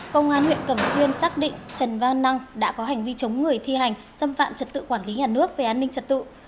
công an huyện cẩm xuyên xác định trần văn năng đã có hành vi chống người thi hành xâm phạm trật tự quản lý nhà nước về an ninh trật tự